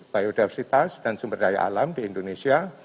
biodiversitas dan sumber daya alam di indonesia